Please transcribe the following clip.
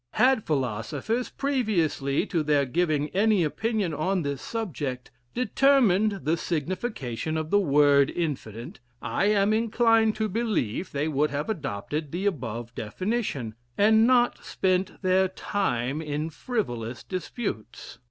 Had philosophers, previously to their giving any opinion on this subject, determined the signification of the word Infinite, I am inclined to believe they would have adopted the above definition, and not spent their time in frivolous disputes.